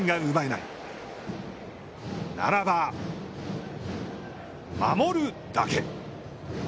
ならば守るだけ。